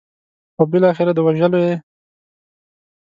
او بالاخره د وژلو یې.